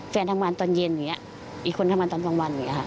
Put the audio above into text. แฟนทำงานตอนเย็นอีกคนทำงานตอนกลางวัน